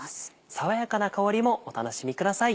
爽やかな香りもお楽しみください。